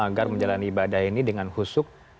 agar menjalani ibadah ini dengan husuk